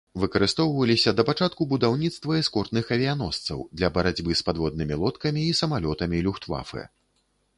Выкарыстоўваліся да пачатку будаўніцтва эскортных авіяносцаў для барацьбы з падводнымі лодкамі і самалётамі люфтвафэ.